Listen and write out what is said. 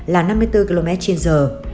là năm mươi bốn km trên giờ